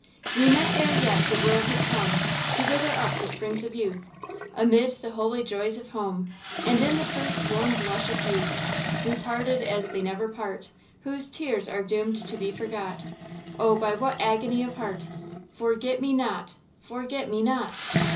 "We met ere yet the world had come To wither up the springs of youth, Amid the holy joys of home, And in the first warm blush of youth. We parted as they never part, Whose tears are doomed to be forgot; Oh, by what agony of heart Forget me not!–forget me not!"